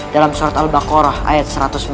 dalam surat al baqarah ayat satu ratus enam puluh